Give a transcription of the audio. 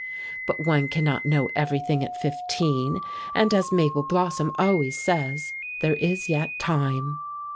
But one cannot know everything at fifteen, and, as Mabel Blossom always says, "there is yet time."